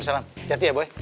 siap ya boy